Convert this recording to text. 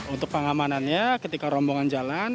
untuk pengamanannya ketika rombongan jalan